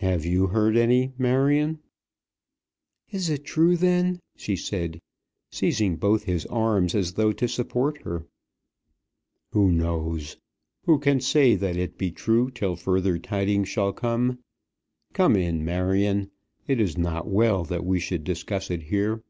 "Have you heard any, Marion?" "Is it true then?" she said, seizing both his arms as though to support her. "Who knows? Who can say that it be true till further tidings shall come? Come in, Marion. It is not well that we should discuss it here."